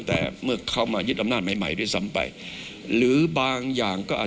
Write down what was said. กตบอกไว้ดังนั้นสิ่งที่ไม่แน่ใจก็ไม่ควรทำ